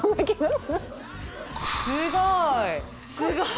すごい！